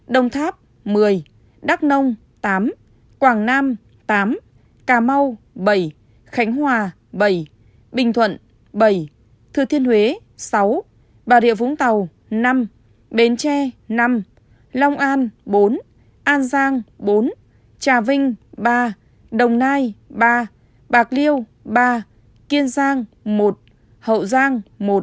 một mươi một đồng tháp một mươi đắk nông tám quảng nam tám cà mau bảy khánh hòa bảy bình thuận bảy thư thiên huế sáu bà địa vũng tàu năm bến tre năm long an bốn an giang bốn trà vinh ba đồng nai ba bạc liêu ba kiên giang một hậu giang một